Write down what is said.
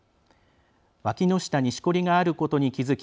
わきの下にしこりがあることに気付き